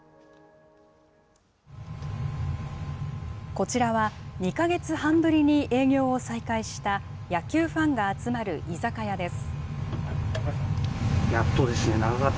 こちらは、２か月半ぶりに営業を再開した、野球ファンが集まる居酒屋です。